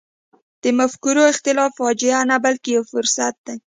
د مفکورو اختلاف فاجعه نه بلکې یو فرصت دی.